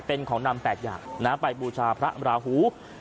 เป็นของนำ๘อย่างไปบูชาพระราหู